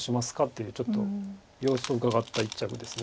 っていうちょっと様子をうかがった一着です。